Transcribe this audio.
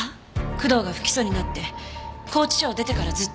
工藤が不起訴になって拘置所を出てからずっと。